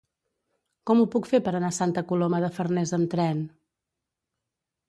Com ho puc fer per anar a Santa Coloma de Farners amb tren?